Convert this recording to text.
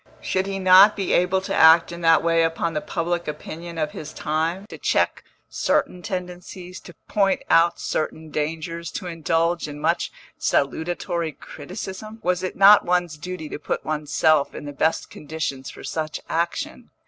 Should he not be able to act in that way upon the public opinion of his time, to check certain tendencies, to point out certain dangers, to indulge in much salutary criticism? Was it not one's duty to put one's self in the best conditions for such action?